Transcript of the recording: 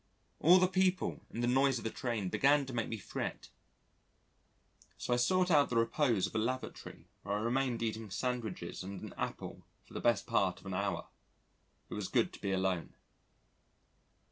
All the people and the noise of the train began to make me fret, so I sought out the repose of a lavatory where I remained eating sandwiches and an apple for the best part of an hour. It was good to be alone.